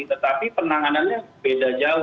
tetapi penanganannya beda jauh